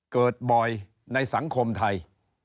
เกิดบ่อยในสังคมไทย